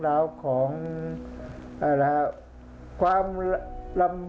ภาคอีสานแห้งแรง